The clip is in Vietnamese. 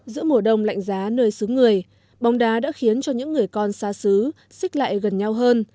giữa mùa đông lạnh giá nơi xứ người bóng đá đã khiến cho những người con xa xứ xích lại gần nhau hơn